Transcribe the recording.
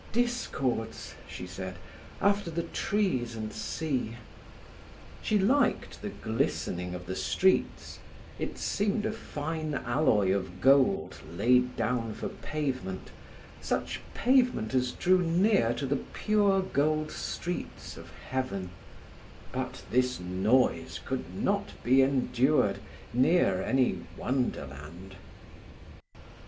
"Discords," she said, "after the trees and sea." She liked the glistening of the streets; it seemed a fine alloy of gold laid down for pavement, such pavement as drew near to the pure gold streets of Heaven; but this noise could not be endured near any wonderland.